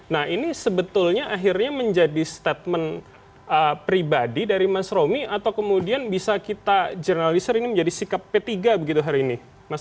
nah ini sebetulnya akhirnya menjadi statement pribadi dari mas romi atau kemudian bisa kita jurnalisir ini menjadi sikap p tiga begitu hari ini